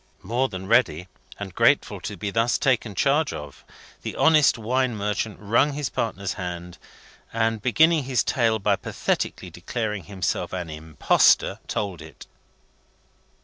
More than ready and grateful to be thus taken charge of, the honest wine merchant wrung his partner's hand, and, beginning his tale by pathetically declaring himself an Impostor, told it.